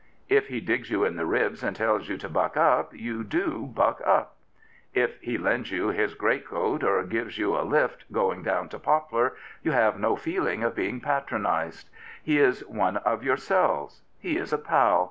If he digs you in the ribs and tells you to " Buck up," you do " buck up." If he lends you his greatcoat or gives you " a lift " going down to Poplar, you have no feeling of being patronised. He is one of yourselves. He is a " pal."